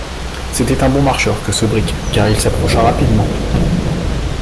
C’était un bon marcheur que ce brick, car il s’approcha rapidement